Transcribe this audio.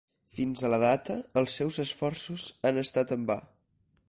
Fins a la data, els seus esforços han estat en va.